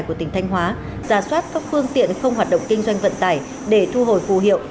của tỉnh thanh hóa ra soát các phương tiện không hoạt động kinh doanh vận tải để thu hồi phù hiệu